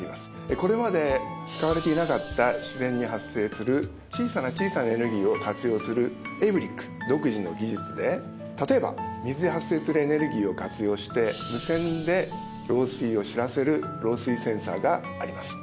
これまで使われていなかった自然に発生する小さな小さなエネルギーを活用するエイブリック独自の技術で例えば水で発生するエネルギーを活用して無線で漏水を知らせる漏水センサがあります。